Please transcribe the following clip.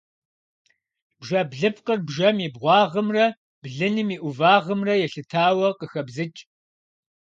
Бжэблыпкъыр бжэм и бгъуагъымрэ блыным и ӏувагъымрэ елъытауэ къыхабзыкӏ.